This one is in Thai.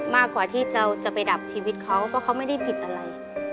มากกว่าที่จะไปดับชีวิตเขาเพราะเขาไม่ได้ผิดอะไร